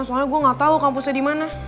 soalnya gue gak tau kampusnya dimana